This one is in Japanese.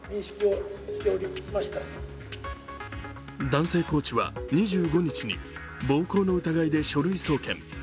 男性コーチは２５日に暴行の疑いで書類送検。